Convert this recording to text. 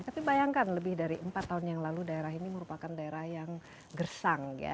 tapi bayangkan lebih dari empat tahun yang lalu daerah ini merupakan daerah yang gersang ya